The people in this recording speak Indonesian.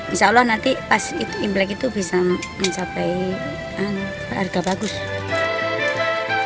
insya allah nanti pas imlek itu bisa mencapai harga bagus